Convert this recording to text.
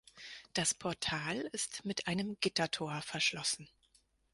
Das Portal ist mit einem Gittertor verschlossen.